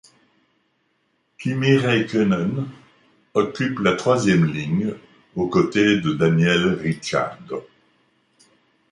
Kimi Räikkönen occupe la troisième ligne aux côtés de Daniel Ricciardo.